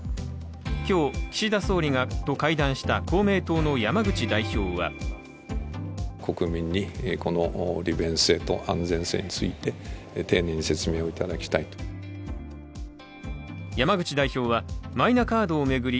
今日、岸田総理と会談した公明党の山口代表は山口代表はマイナカードを巡り